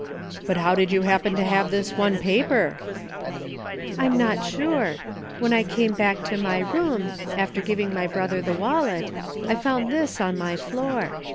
But how did you happen to have this one paper? "" I'm not sure. When I came back to my room, after giving my brother the wallet, I found this on my floor.